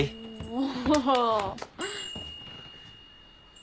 お！